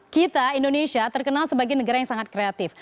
kita indonesia terkenal sebagai negara yang sangat kreatif